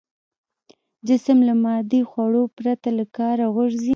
جسم له مادي خوړو پرته له کاره غورځي.